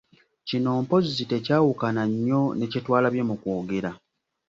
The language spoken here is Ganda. Kino mpozzi tekyawukana nnyo ne kye twalabye mu kwogera.